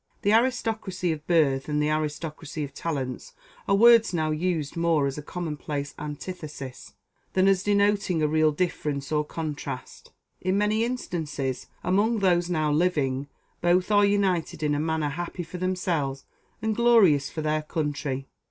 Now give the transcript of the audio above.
The aristocracy of birth and the aristocracy of talents are words now used more as a commonplace antithesis, than as denoting a real difference or contrast. In many instances, among those now living, both are united in a manner happy for themselves and glorious for their country.